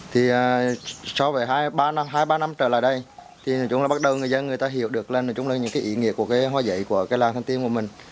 thì so với hai ba năm trở lại đây thì nói chung là bắt đầu người dân người ta hiểu được là nói chung là những cái ý nghĩa của cái hoa giấy của cái làng thân của mình